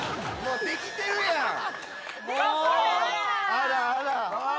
あらあら。